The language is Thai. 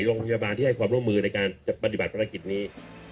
โรงพยาบาลที่ให้ความร่วมมือในการจะปฏิบัติภารกิจนี้